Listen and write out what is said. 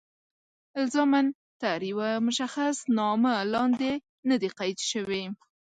الزاماً تر یوه مشخص نامه لاندې نه دي قید شوي.